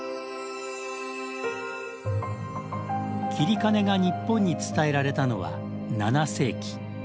截金が日本に伝えられたのは７世紀。